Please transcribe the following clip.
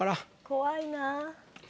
怖いなぁ。